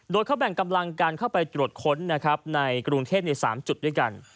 โดยเขาแบ่งกำลังการเข้าไปตรวจค้นนะครับในกรุงเทพใน๓จุดด้วยกัน